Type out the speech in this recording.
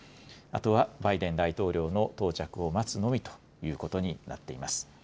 あとはバイデン大統領の到着を待つのみということになっています。